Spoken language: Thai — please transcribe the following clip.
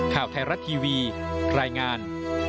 ข่าวไทยรัฐทีวีรายงาน